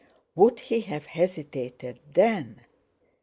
Would he have hesitated then?